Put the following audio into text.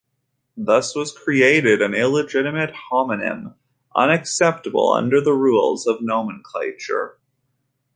Thus was created an illegitimate homonym, unacceptable under the rules of nomenclature.